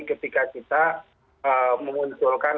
ketika kita memunculkan